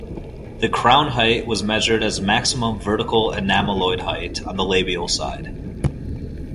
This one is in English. The crown height was measured as maximum vertical enameloid height on the labial side.